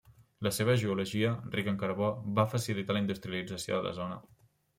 La seva geologia, rica en carbó, va facilitar la industrialització de la zona.